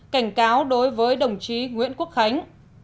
cảnh cáo đối với đồng chí nguyễn quốc khánh